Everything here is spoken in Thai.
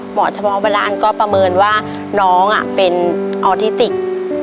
หมอเฉพาะดานก็ประเมินว่าน้องเป็นออธิติก